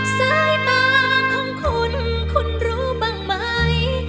สายตาของคุณคุณรู้บ้างไหม